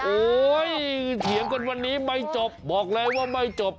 โอ๊ยเถียงกันวันนี้ไม่จบบอกเลยว่าไม่จบ